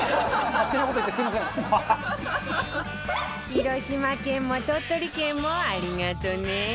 広島県も鳥取県もありがとね